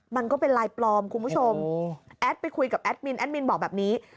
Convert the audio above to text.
มันก็เป็นไลน์ปลอมคุณผู้ชมแอดไปคุยกับแอดมินแอดมินบอกแบบนี้